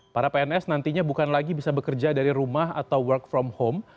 para pns nantinya bukan lagi bisa bekerja dari rumah atau work from home